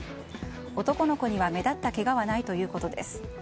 男の子には目立ったけがはないということです。